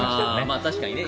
確かにね。